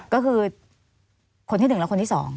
ก็คือคนที่หนึ่งและคนที่สอง